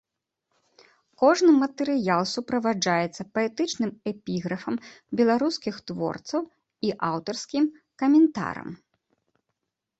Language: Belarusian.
Кожны матэрыял суправаджаецца паэтычным эпіграфам беларускіх творцаў і аўтарскім каментарам.